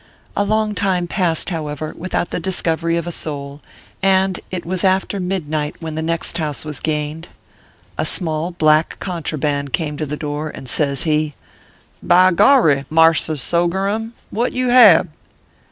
A long time passed, however, without the discovery of a soul, and it was after midnight when the next house was gained. A small black contraband came to the door, and says he :" By gorry, mars r sogerum, what you hab ?"